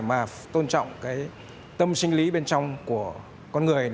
mà tôn trọng cái tâm sinh lý bên trong của con người